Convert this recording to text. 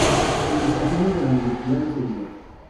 Publicaciones de la Universidad de Sevilla.